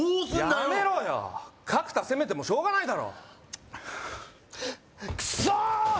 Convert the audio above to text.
やめろよ角田責めてもしょうがないだろクソー！